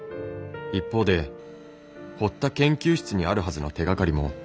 一方で堀田研究室にあるはずの手がかりも。